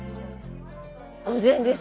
お膳です。